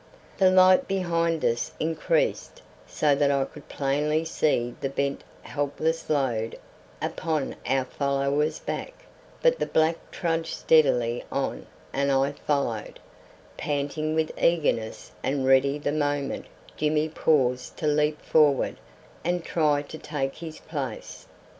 The light behind us increased so that I could plainly see the bent helpless load upon our follower's back; but the black trudged steadily on and I followed, panting with eagerness and ready the moment Jimmy paused to leap forward and try to take his place.